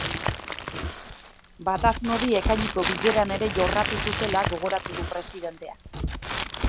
Batasun hori ekaineko bileran ere jorratu zutela gogoratu du presidenteak.